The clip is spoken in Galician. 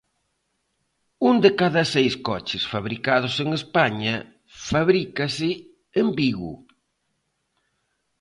Un de cada seis coches fabricados en España fabrícase en Vigo.